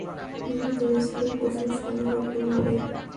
ইহুদীরা ছিল প্রচুর স্বর্ণ-রৌপ্যের মালিক।